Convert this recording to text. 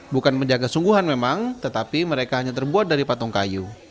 bukan menjaga sungguhan memang tetapi mereka hanya terbuat dari patung kayu